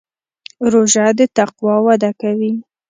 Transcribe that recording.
روژه د تقوا وده کوي.